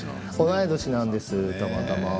同い年なんです、たまたま。